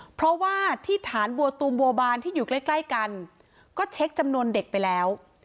เพราะว่าที่ฐานบัวตูมบัวบานที่อยู่ใกล้ใกล้กันก็เช็คจำนวนเด็กไปแล้ว